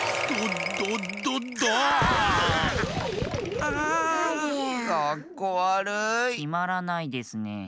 きまらないですね。